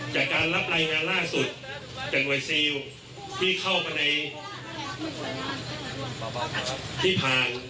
จากการรับรายงานล่าสุดจากหน่วยซิลที่เข้าไปในที่ผ่าน